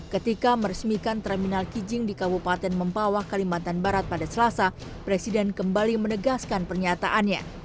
ketika meresmikan terminal kijing di kabupaten mempawah kalimantan barat pada selasa presiden kembali menegaskan pernyataannya